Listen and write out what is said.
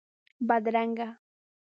بدرنګه